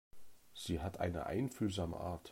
Sie hat eine einfühlsame Art.